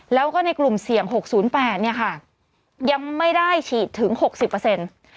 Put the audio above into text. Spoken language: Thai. แล้วก็ในกลุ่มเสี่ยง๖๐๘เนี่ยค่ะยังไม่ได้ฉีดถึงหกสิบเปอร์เซ็นต์